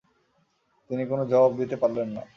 তিনি কোনো জবাব দিতে পারলেন না।